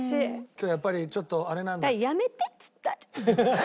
今日やっぱりちょっとあれなんだ。